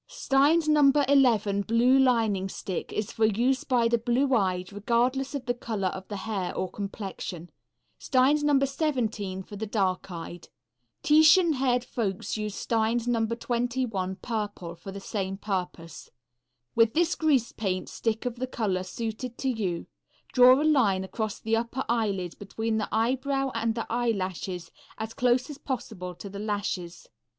Stein's No. 11 blue lining stick is for use by the blue eyed, regardless of the color of the hair or complexion. Stein's No. 17, for the dark eyed. Titian haired folks use Stein's No. 21 purple for the same purpose. With this grease paint stick of the color suited to you, draw a line across the upper eyelid between the eyebrow and the eyelashes, as close as possible to the lashes.